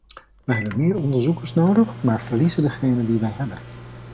Wij hebben meer onderzoekers nodig, maar verliezen degenen die wij hebben.